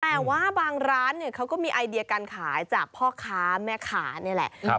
แต่ว่าบางร้านเนี่ยเขาก็มีไอเดียการขายจากพ่อค้าแม่ค้านี่แหละ